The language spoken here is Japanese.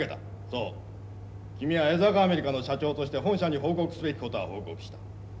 そう君は江坂アメリカの社長として本社に報告すべきことは報告した。